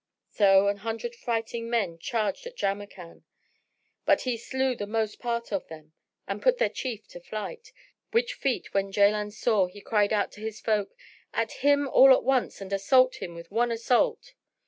So an hundred fighting men charged at Jamrkan, but he slew the most part of them and put their chief to flight; which feat when Jaland saw, he cried out to his folk, "At him all at once and assault him with one assault."